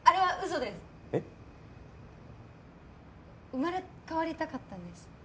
生まれ変わりたかったんです。